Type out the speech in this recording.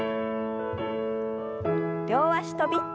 両脚跳び。